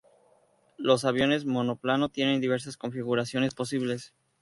Los aviones monoplano tienen diversas configuraciones posibles.